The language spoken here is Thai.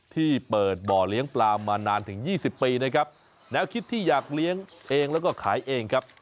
ที่เปิดบ่อเลี้ยงปลามานานถึงยี่สิบปีนะครับแนวคิดที่อยากเลี้ยงเองแล้วก็ขายเองครับ